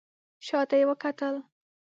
شا ته یې وکتل.